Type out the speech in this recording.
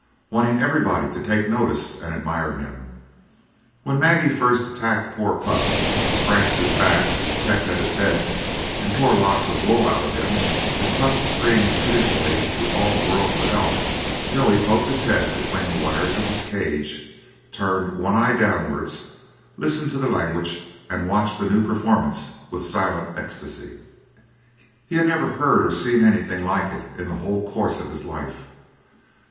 wanting everybody to take notice and admire him. When Maggie first attacked poor Pup, scratched his back, pecked at his head, and tore locks of wool out of him, and Pup screamed pitifully to all the world for help, Joey poked his head between the wires of his cage, turned one eye downwards, listened to the language, and watched the new performance with silent ecstacy. He had never heard or seen anything like it in the whole course of his life.